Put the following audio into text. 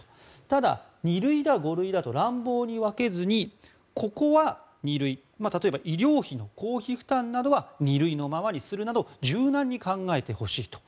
ただ、２類だ５類だと乱暴に分けずにここは２類例えば、医療費の公費負担などは２類のままにするなど柔軟に考えてほしいと。